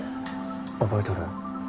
覚えとる？